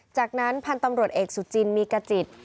จากนั้นพันธุ์ตำรวจเอกสุจินมีกระจิต